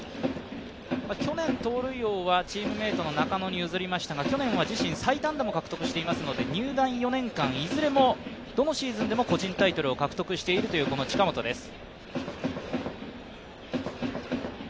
去年、盗塁王はチームメイトの中野に譲りましたが、去年は自身最多安打も獲得していますので入団４年間、どのシーズンでも個人タイトルを獲得しているこの近本です。